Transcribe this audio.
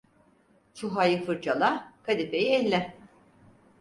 Çuhayı fırçayla, kadifeyi elle.